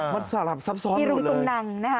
มันสาหรับซับซ้อนหมดเลยมีรุงตุลนังนะฮะ